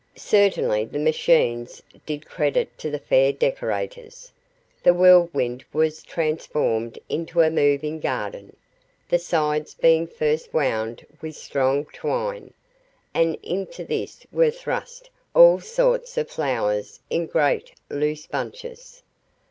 Certainly the machines did credit to the fair decorators. The Whirlwind was transformed into a moving garden, the sides being first wound with strong twine, and into this were thrust all sorts of flowers in great, loose bunches.